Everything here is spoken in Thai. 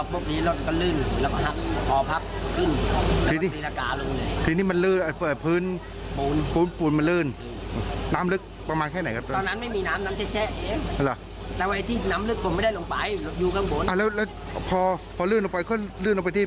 พอลื่นออกไปค่อยลื่นออกไปที่พื้นปูนถูกไหม